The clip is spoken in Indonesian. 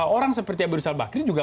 orang seperti abidus al bakri juga